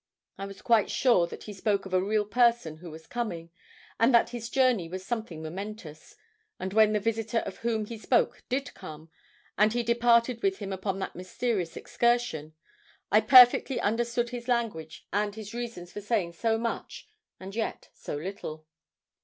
I was quite sure that he spoke of a real person who was coming, and that his journey was something momentous; and when the visitor of whom he spoke did come, and he departed with him upon that mysterious excursion, I perfectly understood his language and his reasons for saying so much and yet so little.